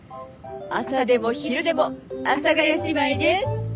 朝でも昼でも阿佐ヶ谷姉妹です！